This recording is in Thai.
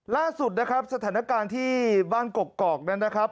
ล่าสุดนะครับสถานการณ์ที่บ้านกกอกนั้นนะครับ